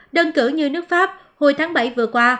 đơn cử như nước pháp hồi tháng bảy vừa qua